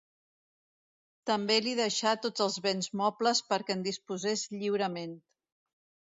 També li deixà tots els béns mobles perquè en disposés lliurement.